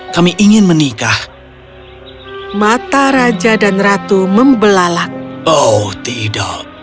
kau ingin sebagai orang luar biasa